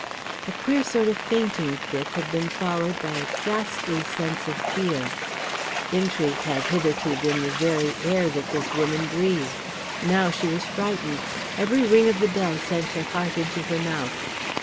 A queer sort of fainting fit had been followed by a ghastly sense of fear. Intrigue had hitherto been the very air that this woman breathed. Now she was frightened, every ring of the bell sent her heart into her mouth.